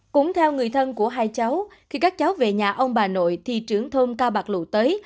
cũng theo người thân của hai cháu khi các cháu về nhà ông bà nội thì trưởng thôn ca bạc lụ tới